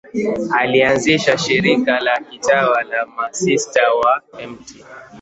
Alianzisha shirika la kitawa la Masista wa Mt.